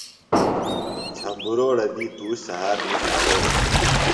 جھمبروڑہ دی تُوش سھات نِس پلو